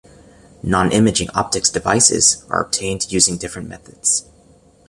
Nonimaging optics devices are obtained using different methods.